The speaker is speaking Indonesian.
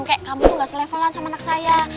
kayak kamu tuh gak selevelan sama anak saya